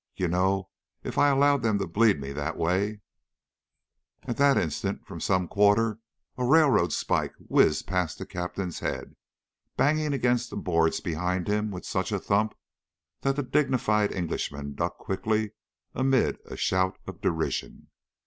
You know if I allowed them to bleed me that way " At that instant, from some quarter, a railroad spike whizzed past the Captain's head, banging against the boards behind him with such a thump that the dignified Englishman ducked quickly amid a shout of derision.